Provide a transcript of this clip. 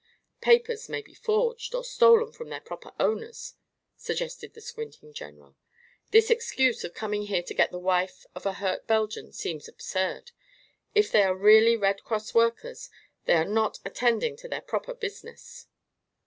"Papers may be forged, or stolen from their proper owners," suggested the squinting general. "This excuse of coming here to get the wife of a hurt Belgian seems absurd. If they are really Red Cross workers, they are not attending to their proper business."